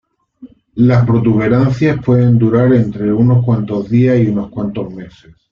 Las protuberancias pueden durar entre unos cuantos días y unos cuantos meses.